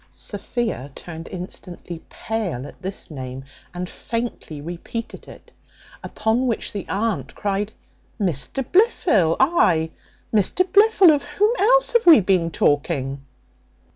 Sophia turned instantly pale at this name, and faintly repeated it. Upon which the aunt cried, "Mr Blifil ay, Mr Blifil, of whom else have we been talking?"